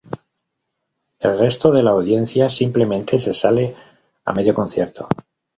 El resto de la audiencia simplemente se sale a medio concierto.